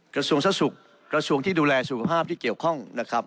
กระทรวงทรสุขกระทรวงที่ดูแลสุขภาพที่เกี่ยวข้องนะครับ